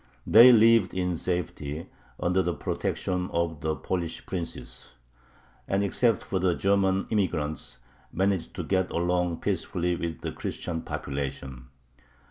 They lived in safety, under the protection of the Polish princes, and, except for the German immigrants, managed to get along peaceably with the Christian population.